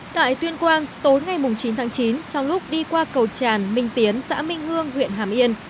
tại tuyên quang tối ngày chín tháng chín trong lúc đi qua cầu tràn minh tiến xã minh hương huyện hàm yên